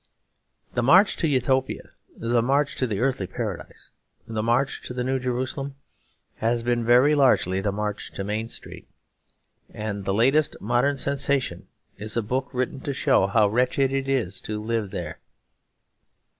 The march to Utopia, the march to the Earthly Paradise, the march to the New Jerusalem, has been very largely the march to Main Street. And the latest modern sensation is a book written to show how wretched it is to live there.